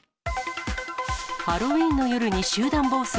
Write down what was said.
ハロウィーンの夜に集団暴走。